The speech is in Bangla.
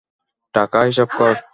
টাকা হিসাব কর।